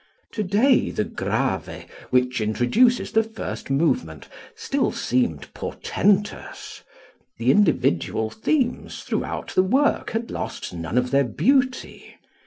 To day the Grave which introduces the first movement still seemed portentous, the individual themes throughout the work had lost none of their beauty.